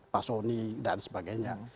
pak sony dan sebagainya